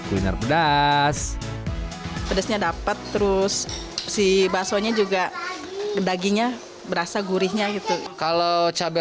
kuliner pedas pedasnya dapat terus si baksonya juga dagingnya berasa gurihnya itu kalau cabai